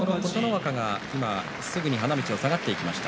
今すぐに花道を下がっていきました。